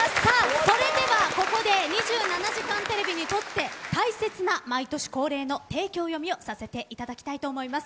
それではここで２７時間テレビにとって大切な毎年恒例の提供読みをさせていただきたいと思います。